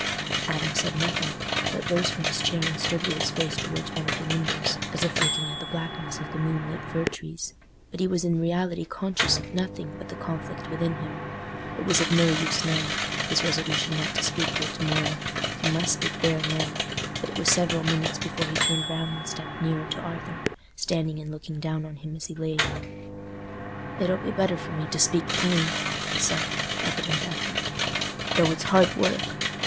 Adam said nothing, but rose from his chair and stood with his face towards one of the windows, as if looking at the blackness of the moonlit fir trees; but he was in reality conscious of nothing but the conflict within him. It was of no use now—his resolution not to speak till to morrow. He must speak there and then. But it was several minutes before he turned round and stepped nearer to Arthur, standing and looking down on him as he lay. "It'll be better for me to speak plain," he said, with evident effort, "though it's hard work.